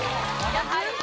やはり。